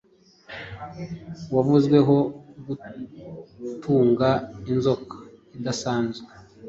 wavuzweho gutunga inzoka idasanzwe